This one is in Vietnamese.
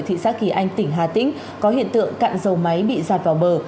thị xã kỳ anh tỉnh hà tĩnh có hiện tượng cạn dầu máy bị giạt vào bờ